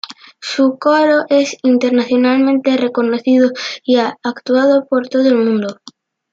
Su coro es internacionalmente reconocido y ha actuado por todo el mundo.